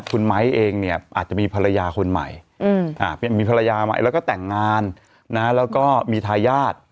คุณไม้เองเนี่ยอาจจะมีภรรยาคนใหม่มีภรรยาใหม่แล้วก็แต่งงานนะแล้วก็มีทายาท